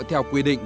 theo quy định